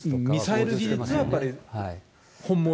ミサイル技術はやっぱり本物？